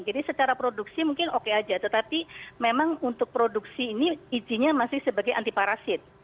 jadi secara produksi mungkin oke aja tetapi memang untuk produksi ini izinnya masih sebagai antiparasit